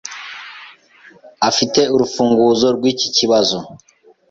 Afite urufunguzo rwiki kibazo.